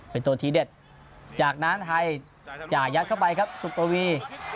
เป็นตัวทีเด็ดจากนั้นไทยจ่ายยัดเข้าไปครับสุปวี